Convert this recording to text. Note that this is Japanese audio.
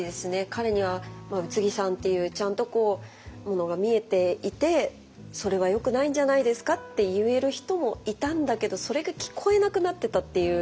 彼には宇津木さんっていうちゃんとものが見えていてそれはよくないんじゃないですかって言える人もいたんだけどそれが聞こえなくなってたっていう。